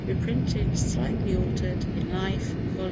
Reprinted, slightly altered, in Life, vol.